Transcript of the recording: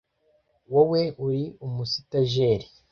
Wowe uri umusitajeri